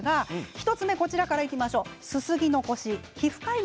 １つ目からいきましょう。